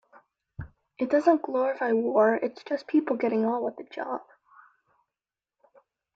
It doesn't glorify war; it's just people getting on with the job.